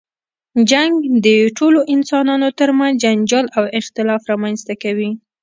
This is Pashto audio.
جنګ د ټولو انسانانو تر منځ جنجال او اختلافات رامنځته کوي.